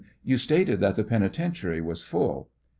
You stated that the penitentiary was full